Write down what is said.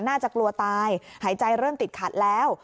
น่าจะกลัวตายหายใจเริ่มติดขัดแล้ว